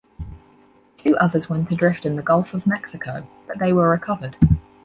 Two others went adrift in the Gulf of Mexico, but they were recovered.